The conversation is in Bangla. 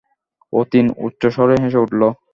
অতীন উচ্চস্বরে হেসে উঠল।